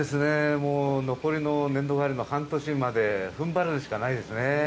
もう残りの年度終わりの半年までふんばるしかな